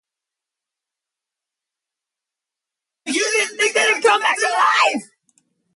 This will be connected to the Mobitex data network by a Masc.